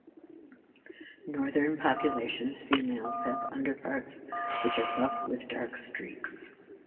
Northern population's females have underparts which are buff with dark streaks.